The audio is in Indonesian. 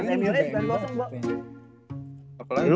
emu aja beneran kosong